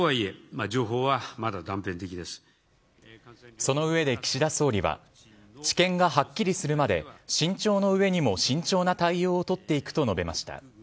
その上で岸田総理は知見がはっきりするまで慎重の上にも慎重な対応を取っていくと述べました。